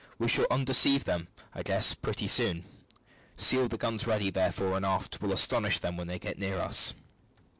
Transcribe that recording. We shall undeceive them, I guess, pretty soon. See all the guns ready therefore and aft. We'll astonish them when they get near us."